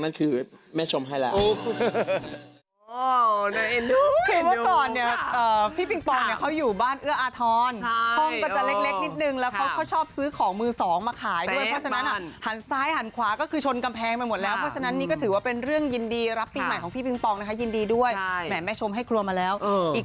นั่นคือแม่ชมให้แล้ว